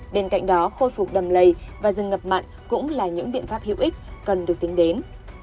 bên cạnh đó khôi phục đầm lầy và rừng ngập mặn cũng là những biện pháp hữu ích cần được tính đến